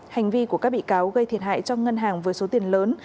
hành vi của các bị cáo gây thiệt hại cho ngân hàng với số tiền lớn